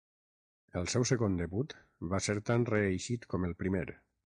El seu segon debut va ser tan reeixit com el primer.